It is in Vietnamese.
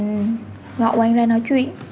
thì gọi quang ra nói chuyện